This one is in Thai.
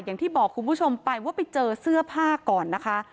อย่างที่บอกคุณผู้ชมไปว่าไปเจอเสื้อผ้าก่อนนะคะ